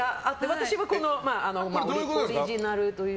私はオリジナルという。